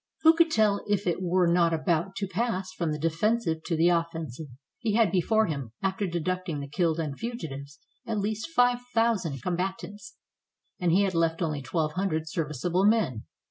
Who could tell if it were not about to pass from the defensive to the offensive? He had before him, after deducting the killed and fugitives, at least five thousand combatants, and he had left only twelve hundred serviceable men.